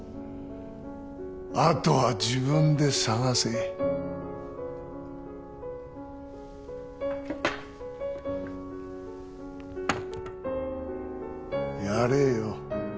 あとは自分で探せやれよ